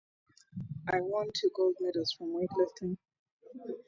It won two gold medals from weightlifting.